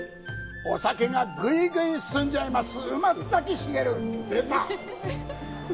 お酒がグイグイ進んじゃいます。